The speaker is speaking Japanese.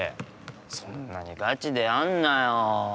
そんなにガチでやんなよ。